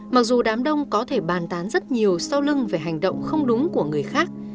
mặc dù đám đông có thể bàn tán rất nhiều sau lưng về hành động không đúng của người khác